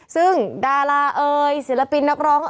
ซึ่งดาราเอ๋ยศิลปินนักร้อง